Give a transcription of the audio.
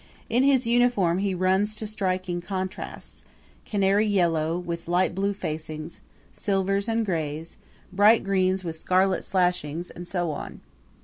In his uniform he runs to striking contrasts canary yellow, with light blue facings; silvers and grays; bright greens with scarlet slashings and so on.